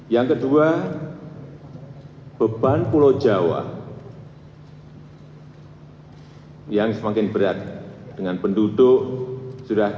yang kedua beban pulau jawa yang semakin berat dengan penduduk sudah satu ratus lima puluh juta